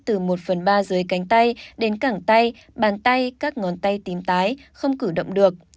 từ một phần ba dưới cánh tay đến cả tay bàn tay các ngón tay tím tái không cử động được